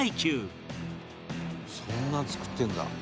「そんなの造ってるんだ」